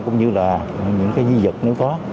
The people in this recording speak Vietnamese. cũng như là những dân dân